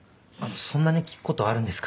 そんなに聞くことあるんですか？